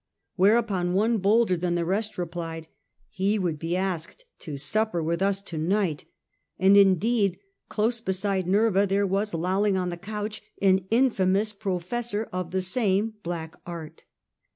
Where upon one bolder than the rest replied, 'he. would be asked to supper with us here to night; ' and indeed close beside Nerva there was lolling on the couch an infamous pro fessor of the same black art.